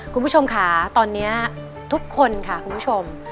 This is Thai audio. คุณผู้ชมค่ะตอนนี้ทุกคนค่ะคุณผู้ชม